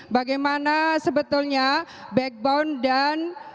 bagaimana sebetulnya backbone dan